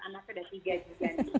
anaknya udah tiga juga